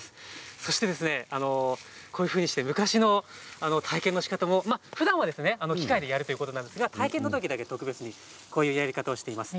そして、こういうふうにして昔の体験のしかたもふだんは機械でやるということなんですが体験のときだけ特別にこういうやり方をしています。